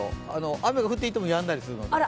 雨が降っていてもやんだりするので。